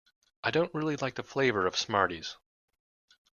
I don't really like the flavour of Smarties